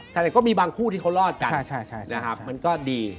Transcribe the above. แสดงก็มีบางคู่ที่เขารอดกันมันก็ดี